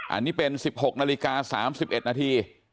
อันนี้เป็น๑๖นาฬิกา๓๑นาที